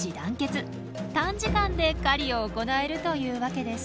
短時間で狩りを行えるというわけです。